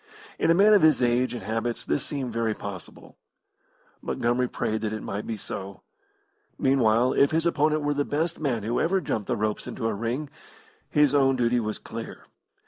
In a man of his age and habits this seemed very possible. Montgomery prayed that it might be so. Meanwhile, if his opponent were the best man who ever jumped the ropes into a ring, his own duty was clear.